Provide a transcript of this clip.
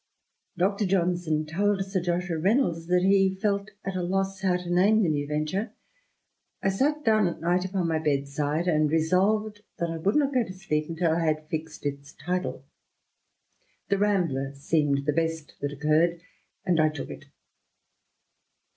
Dr. Johnson told Sir Joshua Reynoldar that It at a loss how to name the new venture :—" I sat down at night my bedside, and resolved that I would not go to sleep until I ixed its title. The Rambler seemed the best that occurred, and 3k it.''